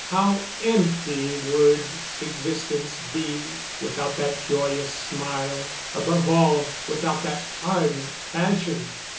How empty would existence be without that joyous smile; above all, without that ardent passion!